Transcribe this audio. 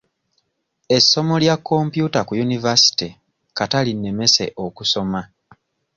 Essomo lya komputa ku yunivasite kata linnemese okusoma.